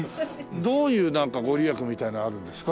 どういう御利益みたいなのがあるんですか？